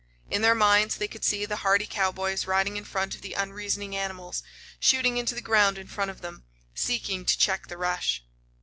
In their minds they could see the hardy cowboys riding in front of the unreasoning animals, shooting into the ground in front of them, seeking to check the rush.